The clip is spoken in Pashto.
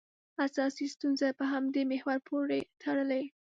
اساسي ستونزه په همدې محور پورې تړلې.